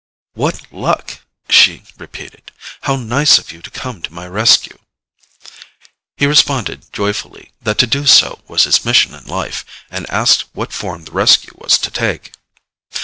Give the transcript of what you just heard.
"What luck!" she repeated. "How nice of you to come to my rescue!" He responded joyfully that to do so was his mission in life, and asked what form the rescue was to take.